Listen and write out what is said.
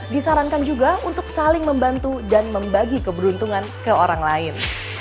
disarankan juga untuk saling membantu dan membagi keberuntungan ke orang lain